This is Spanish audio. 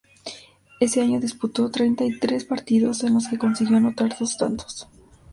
Ese año disputó treinta y tres partidos en los que consiguió anotar dos tantos.